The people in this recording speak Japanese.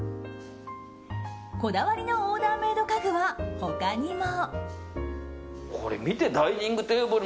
こだわりのオーダーメイド家具は他にも。